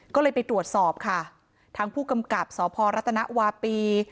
ก็เลยไปตรวจสอบค่ะทางผู้กำกับสพรัฐนวาปี